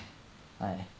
はい。